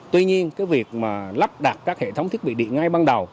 tuy nhiên việc lắp đặt các hệ thống thiết bị điện ngay ban đầu